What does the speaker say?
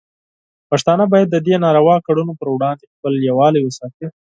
پښتانه باید د دې ناروا کړنو پر وړاندې خپل یووالی وساتي.